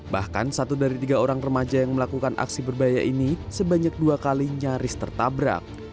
bahkan satu dari tiga orang remaja yang melakukan aksi berbahaya ini sebanyak dua kali nyaris tertabrak